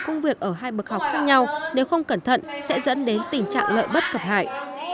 công việc ở hai bậc học khác nhau nếu không cẩn thận sẽ dẫn đến tình trạng lợi bất cập hại